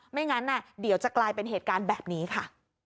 ไม่งั้นเดี๋ยวจะกลายเป็นเหตุการณ์แบบนี้ค่ะ